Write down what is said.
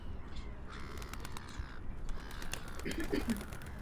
Tehdejší majitel Jan z Pernštejna ves věnoval městu jako pomoc po velkém požáru.